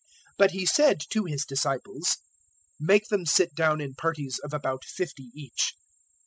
But He said to His disciples, "Make them sit down in parties of about fifty each."